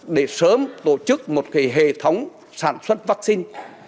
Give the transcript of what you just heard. để sớm tổ chức một hệ thống sản xuất vắc xin